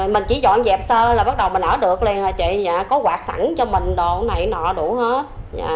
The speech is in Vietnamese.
mình chỉ dọn dẹp sơ là bắt đầu mình ở được liền rồi chị có quạt sẵn cho mình đồ này nọ đủ hết